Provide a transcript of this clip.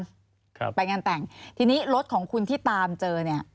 ครับไปงานแต่งทีนี้รถของคุณที่ตามเจอเนี่ย